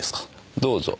どうぞ。